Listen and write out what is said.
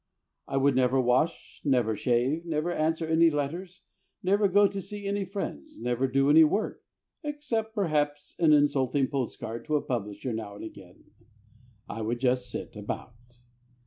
I would never wash, never shave, never answer any letters, never go to see any friends, never do any work except, perhaps, an insulting postcard to a publisher now and again. I would just sit about.